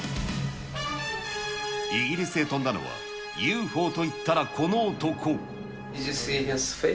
イギリスへ飛んだのは、ＵＦＯといったらこの男。